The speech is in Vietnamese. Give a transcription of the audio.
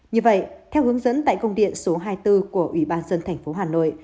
như vậy theo hướng dẫn tại công điện số hai mươi bốn của ủy ban dân tp hà nội